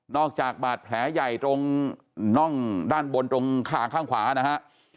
จากบาดแผลใหญ่ตรงน่องด้านบนตรงคางข้างขวานะฮะ